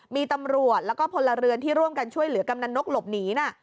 มีตำรวจแล้วก็พลเรือนที่ร่วมกันช่วยเหลือกำนันนกหลบหนีนะ